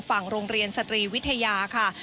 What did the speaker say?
ฝั่งโรงเรียนสตรีวิทยาค่ะ